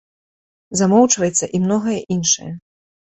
Замоўчваецца і многае іншае.